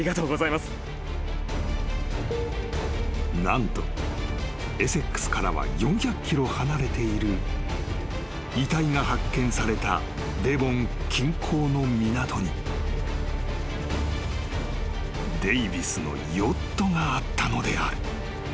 ☎［何とエセックスからは４００ｋｍ離れている遺体が発見されたデヴォン近郊の港にデイヴィスのヨットがあったのである］